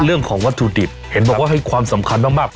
เรื่องของวัตถุดิบเห็นบอกว่าให้ความสำคัญมาก